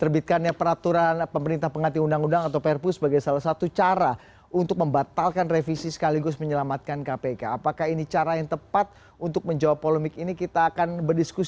bagaimana cara untuk membatalkan revisi sekaligus menyelamatkan kpk